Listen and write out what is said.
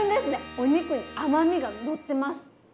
お肉に甘みがのってますはい。